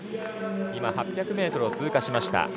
８００ｍを通過しました。